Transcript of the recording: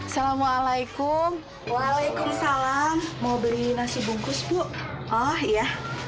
salamualaikum waalaikumsalam mau beli nasi bungkus bu ah iya